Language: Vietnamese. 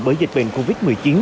với dịch bệnh covid một mươi chín